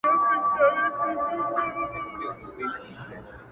چي خوري در نه ژوندي بچي د میني قاسم یاره ,